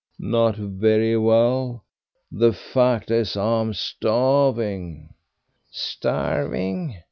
"Not very well. The fact is, I'm starving." "Starving!